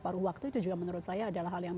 paruh waktu itu juga menurut saya adalah hal yang